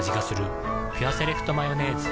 「ピュアセレクトマヨネーズ」